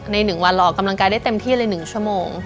ในหนึ่งวันเรากำลังกายได้เต็มที่เลยหนึ่งชั่วโมง